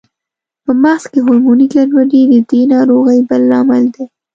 په مغز کې هورموني ګډوډۍ د دې ناروغۍ بل لامل دی.